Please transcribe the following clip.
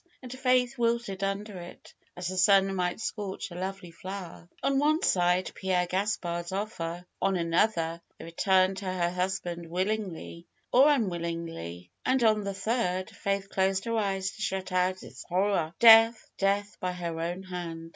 And Faith wilted under it, as the sun might scorch a lovely flower. On one side Pierre Gaspard's offer; on another, the return to her husband willingly or unwillingly; and on the third — Faith closed her eyes to shut out its hor ror — death, death by her own hand.